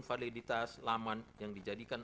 validitas laman yang dijadikan